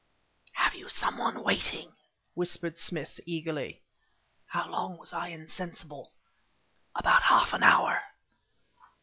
"Have you some one waiting?" whispered Smith, eagerly. "How long was I insensible?" "About half an hour."